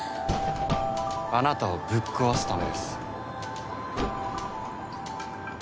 あなたをぶっ壊すためです。